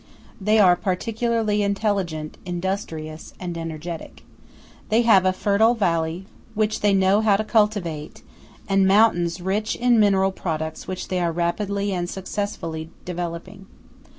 They are particularly intelligent, industrious, and energetic. They have a fertile valley which they know how to cultivate, and mountains rich in mineral products which they are rapidly and successfully developing.